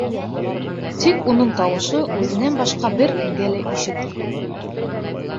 Тик уның тауышы үҙенән башҡа бер кемгә лә ишетелмәне.